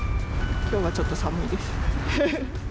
きょうはちょっと寒いです。